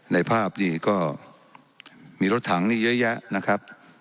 ในภาพนี่ก็มีรถถังนี่เยอะแยะนะครับ